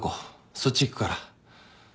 そっち行くから。